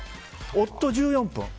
夫１４分。